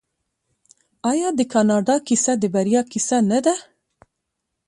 آیا د کاناډا کیسه د بریا کیسه نه ده؟